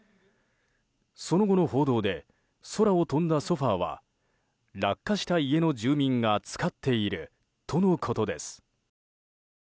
その後の報道で空を飛んだソファは落下した家の住民が使っているとのことです。